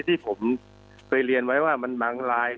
ที่ผมเรียนไว้ว่ามันหลังราย๘๐๐๐